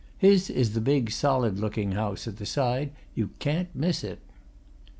His is the big, solid looking house at the side you can't miss it."